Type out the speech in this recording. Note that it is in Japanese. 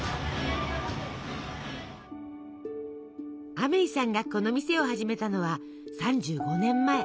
アメイさんがこの店を始めたのは３５年前。